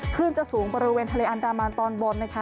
ขึ้นจะสูงบริเวณทะเลอันดามันตอนบนนะคะ